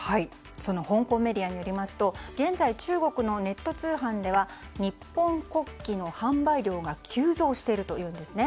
香港メディアによりますと現在、中国のネット通販では日本国旗の販売量が急増しているというんですね。